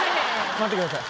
待ってください。